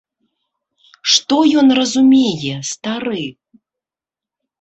Што ён разумее, стары?